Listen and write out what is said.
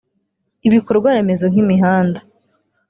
ibikorwaremezo nk’imihanda